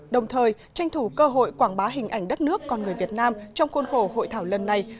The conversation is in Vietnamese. đồng thời tranh thủ cơ hội quảng bá hình ảnh đất nước con người việt nam trong khuôn khổ hội thảo lần này